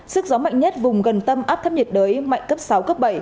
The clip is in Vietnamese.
sức gió mạnh nhất vùng gần tâm áp thấp nhiệt đới mạnh cấp sáu cấp bảy